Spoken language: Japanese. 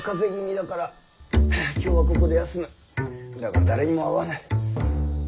だから誰にも会わぬ。